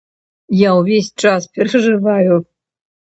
Я ўвесь час перажываю.